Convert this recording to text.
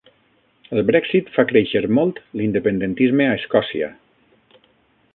El Brexit fa créixer molt l'independentisme a Escòcia